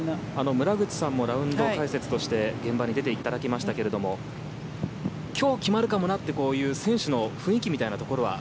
村口さんもラウンド解説として現場に出ていただきましたが今日決まるかもなという選手の雰囲気みたいなところは